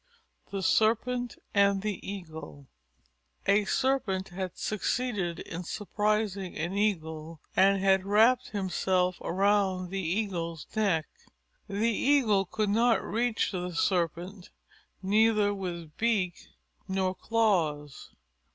_ THE SERPENT AND THE EAGLE A Serpent had succeeded in surprising an Eagle and had wrapped himself around the Eagle's neck. The Eagle could not reach the Serpent, neither with beak nor claws.